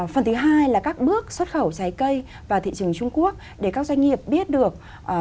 phần thứ hai là các bước xuất khẩu trái cây vào thị trường trung quốc để các doanh nghiệp biết được